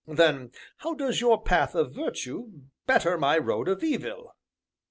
Then how does your path of Virtue better my road of Evil?"